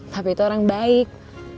tapi itu orang baik